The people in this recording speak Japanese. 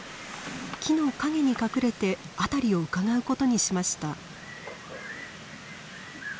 木の陰に隠れて辺りをうかがうことにしました。